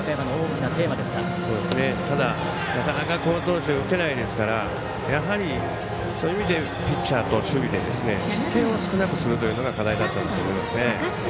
なかなか好投手打てないですからやはり、そういう意味でピッチャーと守備で失点を少なくするというのが課題だったと思いますね。